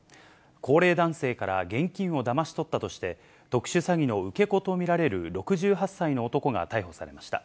高齢男性から現金をだまし取ったとして、特殊詐欺の受け子と見られる６８歳の男が逮捕されました。